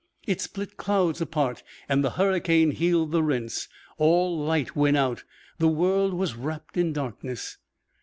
It split clouds apart, and the hurricane healed the rents. All light went out. The world was wrapped in darkness.